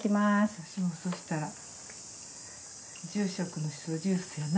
私もそしたら住職のシソジュースやな。